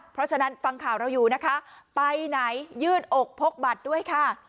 เพราะฉะนั้นฟังข่าวเราอยู่นะคะไปไหนยื่นอกพกบัตรด้วยค่ะ